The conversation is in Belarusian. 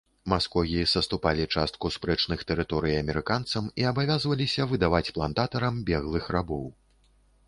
Маскогі саступалі частку спрэчных тэрыторый амерыканцам і абавязваліся выдаваць плантатарам беглых рабоў.